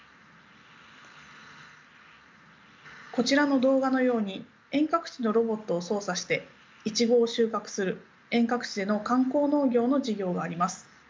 こちらの動画のように遠隔地のロボットを操作していちごを収穫する遠隔地での観光農業の事業があります。